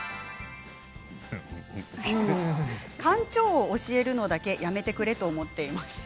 カンチョーを教えるのだけやめてくれと思っています。